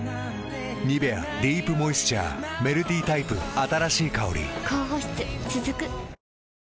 「ニベアディープモイスチャー」メルティタイプ新しい香り高保湿続く。